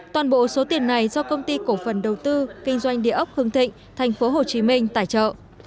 toàn bộ số tiền này do công ty cổ phần đầu tư kinh doanh địa ốc hương thịnh tp hcm tài trợ